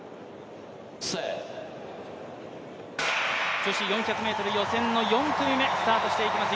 女子４００ｍ予選の４組目スタートしていきます